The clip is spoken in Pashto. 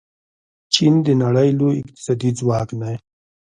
چین د نړۍ لوی اقتصادي ځواک دی.